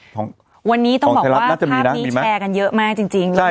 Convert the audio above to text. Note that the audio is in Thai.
ของชายลัดน่าจะมีน่ะมีไหม